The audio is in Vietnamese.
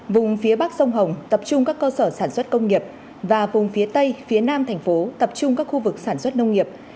vùng phía bắc sông hồng tập trung các cơ sở sản xuất công nghiệp và vùng phía tây phía nam thành phố tập trung các khu vực sản xuất nông nghiệp